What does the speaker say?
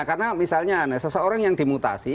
karena misalnya seseorang yang dimutasi